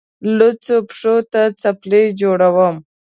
لوڅو پښو ته څپلۍ جوړوم.